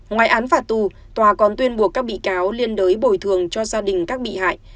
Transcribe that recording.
ngoài án phạt tù tòa còn tuyên buộc các bị cáo liên đới bồi thường cho gia đình các bị hại